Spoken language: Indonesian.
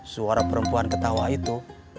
suara perempuan ketawa itu